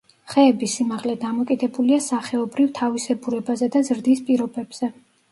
ხეების სიმაღლე დამოკიდებულია სახეობრივ თავისებურებაზე და ზრდის პირობებზე.